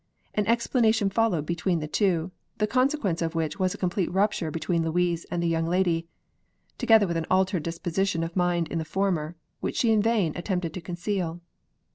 An explanation followed between the two, the consequence of which was a complete rupture between Louise and the young lady, together with an altered disposition of mind in the former, which she in vain attempted to conceal.